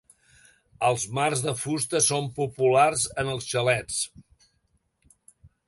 Els marcs de fusta són populars en els xalets.